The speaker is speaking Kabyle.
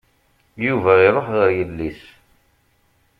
Yuba iruḥ ɣer llisi.